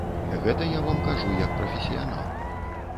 Гэта я вам кажу як прафесіянал.